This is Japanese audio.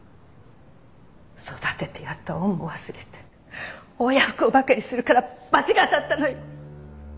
育ててやった恩を忘れて親不孝ばかりするからバチが当たったのよ！